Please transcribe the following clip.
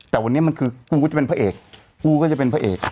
แต่วันนี้มันคือกูก็จะเป็นพระเอกกูก็จะเป็นพระเอก